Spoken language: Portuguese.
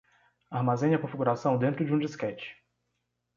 Armazene a configuração dentro de um disquete.